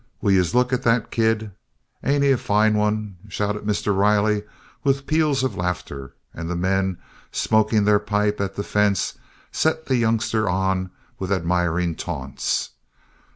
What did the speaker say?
"Will yez look at de kid? Ain't he a foine one?" shouted Mr. Riley, with peals of laughter; and the men smoking their pipes at the fence set the youngster on with admiring taunts.